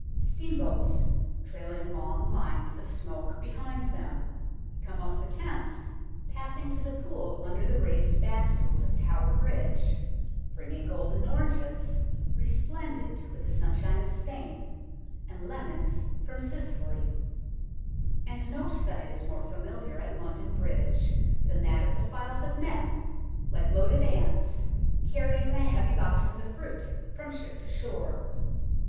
Steamboats, trailing long lines of smoke behind them, come up the Thames, passing to the Pool under the raised bascules of Tower Bridge, bringing golden oranges, resplendent with the sunshine of Spain, and lemons from Sicily ; and no sight is more familiar at London Bridge than that of the files of men, like loaded ants, carrying the heavy boxes of fruit from ship to shore.